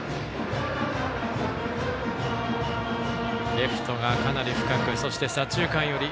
レフトがかなり深くそして、左中間寄り。